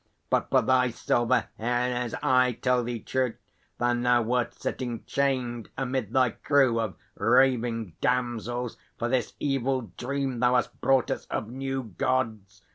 But for thy silver hairs, I tell thee true, Thou now wert sitting chained amid thy crew Of raving damsels, for this evil dream Thou hast brought us, of new Gods!